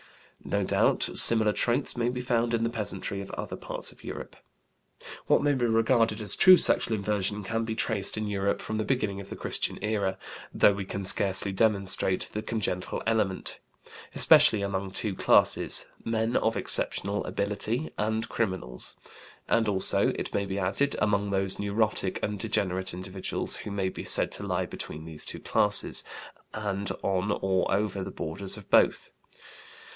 No doubt, similar traits might be found in the peasantry of other parts of Europe. What may be regarded as true sexual inversion can be traced in Europe from the beginning of the Christian era (though we can scarcely demonstrate the congenital element) especially among two classes men of exceptional ability and criminals; and also, it may be added, among those neurotic and degenerate individuals who may be said to lie between these two classes, and on or over the borders of both.